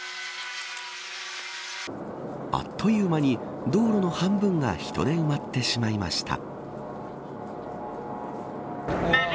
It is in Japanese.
あっという間に道路の半分が人で埋まってしまいました。